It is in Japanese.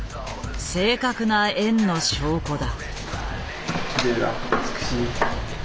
正確な円の証拠だ。